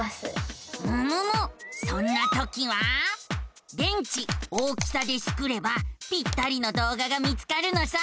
そんなときは「電池大きさ」でスクればぴったりの動画が見つかるのさ。